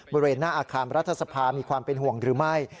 บริเวณหน้าอาคารรัฐสภามีความเป็นห่วงหรือไม่